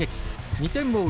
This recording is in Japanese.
２点を追う